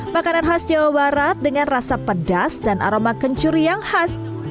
makanan khas jawa barat dengan rasa pedas dan aroma kencur yang khas